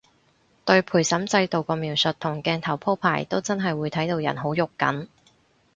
對陪審制度個描述同鏡頭鋪排都真係會睇到人好肉緊